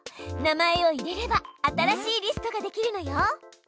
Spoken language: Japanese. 名前を入れれば新しいリストができるのよ。